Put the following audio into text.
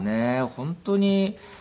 本当に。